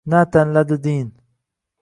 Na tanladi din